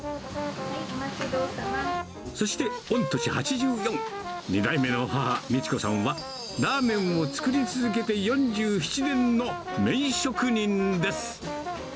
そして御年８４、２代目の母、美智子さんはラーメンを作り続けて４７年の名職人です。